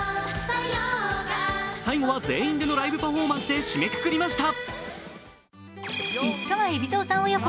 最後は全員でのライブパフォーマンスで締めくくりました。